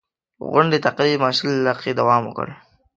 غونډې تقریباً شل دقیقې دوام وکړ.